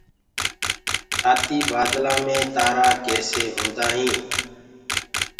رآتيٚ بآدلآ مي تآرآ ڪيسي هوندآ هينٚ